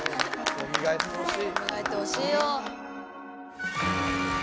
よみがえってほしいよ。